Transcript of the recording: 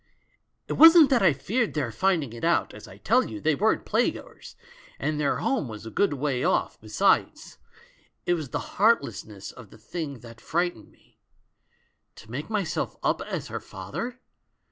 It wasn't that I feared their finding it out — as I tell you, they weren't play goers, and their home was a good way off besides — it was the heartlessness of the thing that fright ened me. To make myself up as her father?